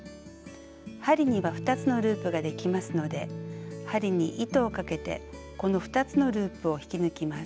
針には２つのループができますので針に糸をかけてこの２つのループを引き抜きます。